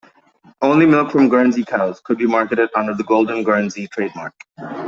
Only milk from Guernsey cows could be marketed under the Golden Guernsey trademark.